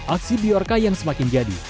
aksi biorka yang semakin jadi